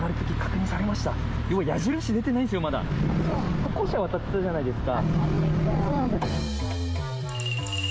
歩行者、渡っていたじゃないですか。